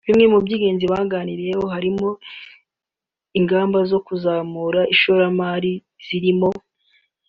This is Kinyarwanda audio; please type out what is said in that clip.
Bimwe mu by’ ingenzi baganiriyeho harimo ingamba zo kuzamura ishoramali zirimo